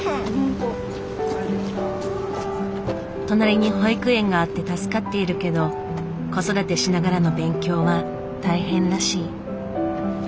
隣に保育園があって助かっているけど子育てしながらの勉強は大変らしい。